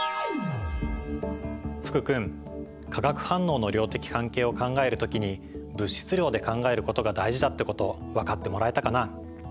福君化学反応の量的関係を考える時に物質量で考えることが大事だってこと分かってもらえたかな？